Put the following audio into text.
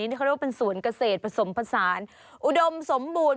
ที่เขาเรียกว่าเป็นสวนเกษตรผสมผสานอุดมสมบูรณ์